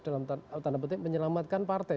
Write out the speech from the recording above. dalam tanda petik menyelamatkan partai